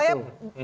ntar ntar saya